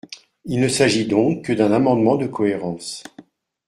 Il ne s’agit donc que d’un amendement de cohérence.